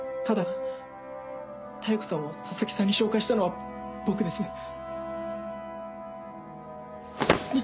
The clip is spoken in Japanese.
ただ妙子さんを佐々木さんに紹介したのは僕です。